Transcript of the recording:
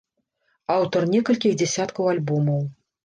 Аўтар некалькіх дзясяткаў альбомаў.